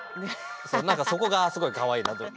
なんかそこがすごいかわいいなと。